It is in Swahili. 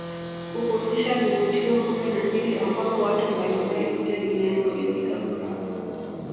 Kuhusisha vivutio kumi na mbili ambapo watu mbalimbali kote duniani walipiga kura